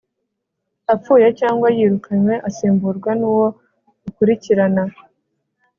apfuye cyangwa yirukanywe asimburwa n'uwo bakurikirana